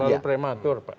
terlalu prematur pak